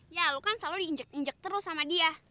ya lo kan selalu diinjek injek terus sama dia